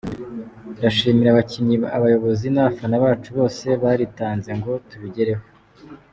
Ndashimira abakinnyi, abayobozi n’abafana bacu bose baritanze ngo tubigereho.